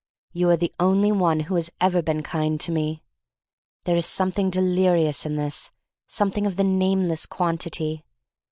"You are the only one who has ever been kind to me. "There is something delirious in this — something of the nameless quan tity.